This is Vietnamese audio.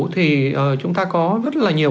thì chúng ta có rất là nhiều